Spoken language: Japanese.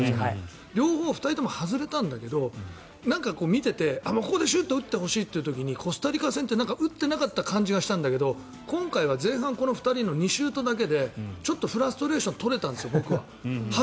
両方、２人とも外れたんだけど見ていてここでシュートを打ってほしいという時にコスタリカ戦では打ってなかった感じしたんだけど今回は前半この２人の２シュートだけでちょっとフラストレーションが取れたんです。